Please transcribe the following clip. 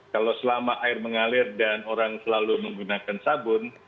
kalau selama air mengalir dan orang selalu menggunakan sabun